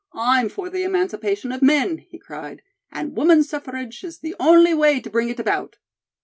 I'm for the emancipation of men," he cried, "and Woman's Suffrage is the only way to bring it about."